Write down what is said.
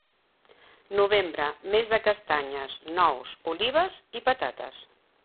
Novembre, mes de castanyes, nous, olives i patates.